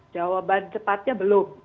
jawaban cepatnya belum